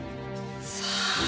さあ？